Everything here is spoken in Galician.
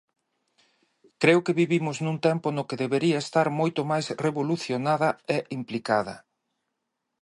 Creo que vivimos nun tempo no que debería estar moito máis revolucionada e implicada.